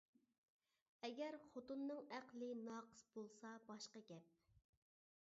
ئەگەر خوتۇننىڭ ئەقلى ناقىس بولسا باشقا گەپ.